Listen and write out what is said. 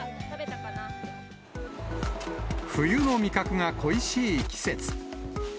冬の味覚が恋しい季節。